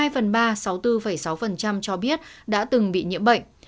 hai phần ba sáu mươi bốn sáu cho biết đã từng bị nhiễm bệnh